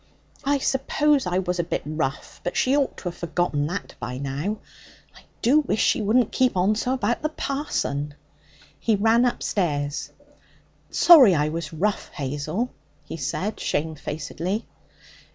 'I suppose I was a bit rough, but she ought to have forgotten that by now. I do wish she wouldn't keep on so about the parson.' He ran upstairs. 'Sorry I was rough, Hazel,' he said shamefacedly.